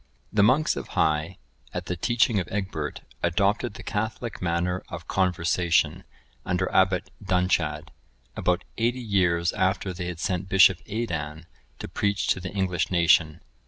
(993) The monks of Hii, at the teaching of Egbert, adopted the catholic manner of conversation, under Abbot Dunchad, about eighty years after they had sent Bishop Aidan to preach to the English nation.